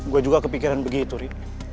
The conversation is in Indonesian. gue juga kepikiran begitu ri